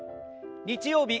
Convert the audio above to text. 日曜日